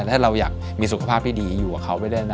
ถ้าเราอยากมีสุขภาพดีอยู่กับเขาไปด้วยนะ